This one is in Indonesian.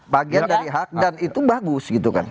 bagian dari hak dan itu bagus gitu kan